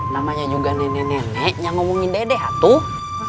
namanya juga nenek nenek yang ngomongin dedek atuh